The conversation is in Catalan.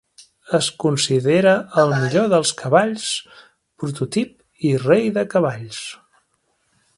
Es considera el millor dels cavalls, prototip i rei de cavalls.